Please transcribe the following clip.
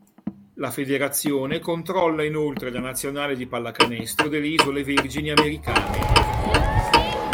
La federazione controlla inoltre la nazionale di pallacanestro delle Isole Vergini americane.